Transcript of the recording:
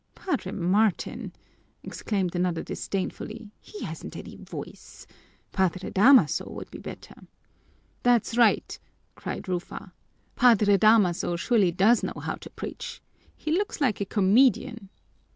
"Padre Martin!" exclaimed another disdainfully. "He hasn't any voice. Padre Damaso would be better." "That's right!" cried Rufa. "Padre Damaso surely does know how to preach! He looks like a comedian!"